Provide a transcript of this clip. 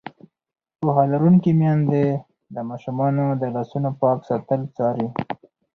پوهه لرونکې میندې د ماشومانو د لاسونو پاک ساتل څاري.